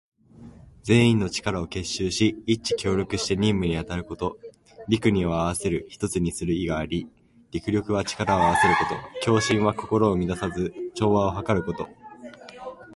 全員の力を結集し、一致協力して任務に当たること。「戮」には合わせる、一つにする意があり、「戮力」は力を合わせること。「協心」は心を乱さず、調和をはかること。